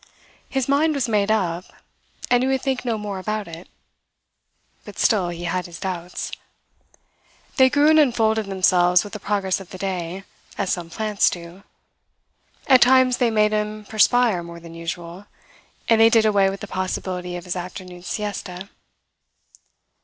His mind was made up, and he would think no more about it; but still he had his doubts. They grew and unfolded themselves with the progress of the day, as some plants do. At times they made him perspire more than usual, and they did away with the possibility of his afternoon siesta.